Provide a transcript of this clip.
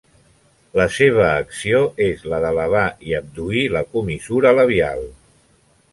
La seva acció és la d'elevar i abduir la comissura labial.